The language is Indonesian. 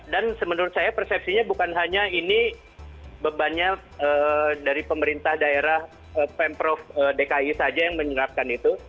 dan menurut saya persepsinya bukan hanya ini bebannya dari pemerintah daerah pemprov dki saja yang menyerapkan itu